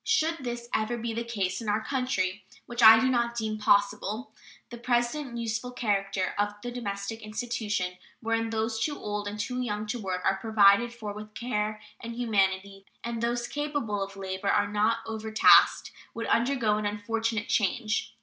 Should this ever be the case in our country, which I do not deem possible, the present useful character of the domestic institution, wherein those too old and too young to work are provided for with care and humanity and those capable of labor are not overtasked, would undergo an unfortunate change.